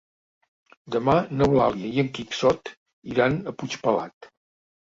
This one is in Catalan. Demà n'Eulàlia i en Quixot iran a Puigpelat.